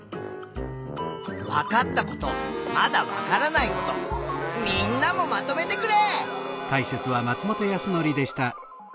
わかったことまだわからないことみんなもまとめてくれ！